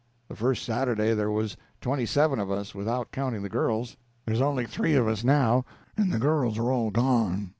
The first Saturday there was twenty seven of us, without counting the girls; there's only three of us now, and the girls are gone.